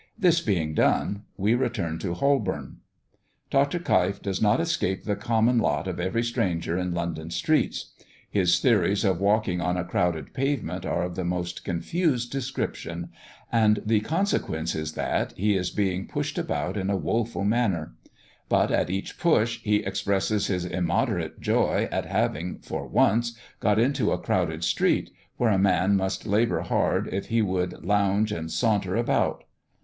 This being done, we return to Holborn. Dr. Keif does not escape the common lot of every stranger in London streets. His theories of walking on a crowded pavement are of the most confused description, and the consequence is that he is being pushed about in a woful manner; but, at each push, he expresses his immoderate joy at having, for once, got into a crowded street, where a man must labour hard if he would lounge and saunter about.